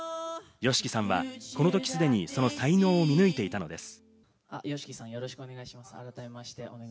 ＹＯＳＨＩＫＩさんはこの時すでにその才能を見抜いていたのです。